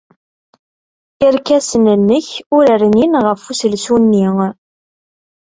Irkasen-nnek ur rnin ɣef uselsu-nni.